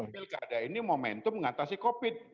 pilkada ini momentum mengatasi covid